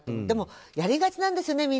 でも、やりがちなんですよね